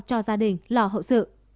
cho gia đình lò hậu sự